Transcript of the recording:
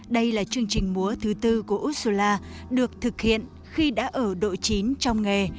đây là chương trình múa thứ tư của ursula được thực hiện khi đã ở độ chín trong nghề